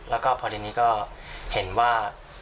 แล้วก็พอดีนี้ก็เห็นว่า